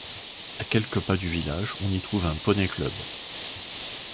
À quelques pas du village, on trouve un poney club.